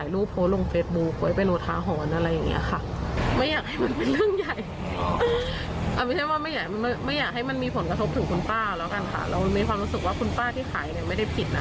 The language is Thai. เรามีความรู้สึกว่าคุณป้าที่ขายเนี่ยไม่ได้ผิดนะ